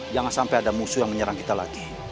jangan sampai ada musuh yang menyerang kita lagi